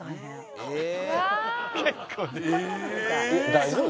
大丈夫。